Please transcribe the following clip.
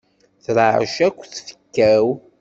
Terɛaɛec akk tfekka-w.